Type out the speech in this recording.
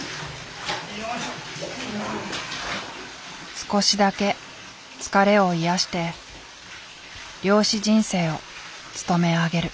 少しだけ疲れを癒やして漁師人生をつとめ上げる。